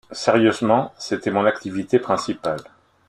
Sérieusement: c’était mon activité principale.